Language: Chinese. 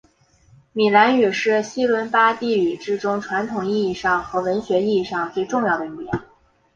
米兰语是西伦巴第语之中传统意义上和文学意义上最重要的语言。